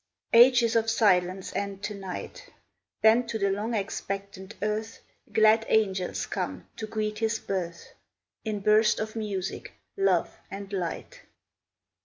Ages of silence end to night; Then to the long expectant earth Glad angels come to greet His birth In burst of music, love, and light!